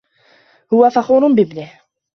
هو فخور بابنه.